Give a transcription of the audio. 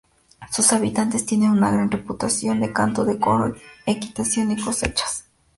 Sus habitantes tienen una gran reputación de canto de coro, equitación, y cosechas.